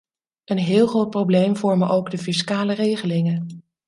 Een heel groot probleem vormen ook de fiscale regelingen.